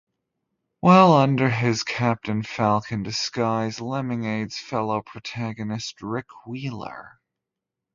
While under his Captain Falcon disguise, Lemming aids fellow protagonist Rick Wheeler.